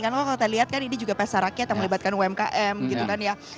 karena kalau kita lihat kan ini juga pesaraknya yang melibatkan umkm gitu kan ya